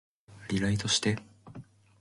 リライトして